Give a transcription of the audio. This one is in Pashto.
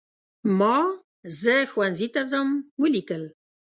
ما "زه ښوونځي ته ځم" ولیکل.